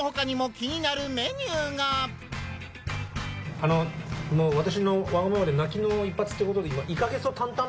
あのもうワタシのわがままで泣きの一発ってコトで。